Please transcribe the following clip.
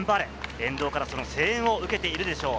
沿道からその声援を受けているでしょう。